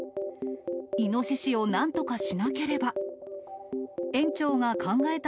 イノシシをなんとかしなければ。